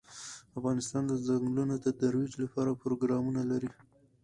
افغانستان د ځنګلونه د ترویج لپاره پروګرامونه لري.